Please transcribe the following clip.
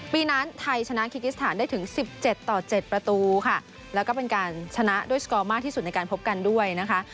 ปีนั้นไทยชนะคิกิสถานได้ถึง๑๗ต่อ๗ประตูค่ะแล้วก็เป็นการชนะด้วยสกอร์มากที่สุดในการพบกันด้วยนะคะ